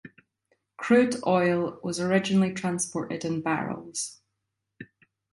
Crude oil was originally transported in barrels.